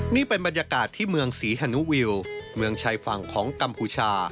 นี่เป็นบรรยากาศที่เมืองศรีฮานุวิวเมืองชายฝั่งของกัมพูชา